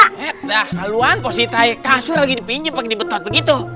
eh dah haluan positi kasur lagi dipinjam lagi dibetot begitu